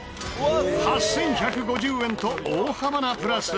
８１５０円と大幅なプラス。